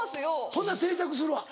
ほんなら定着するわ。